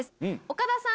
岡田さん